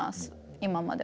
今までも。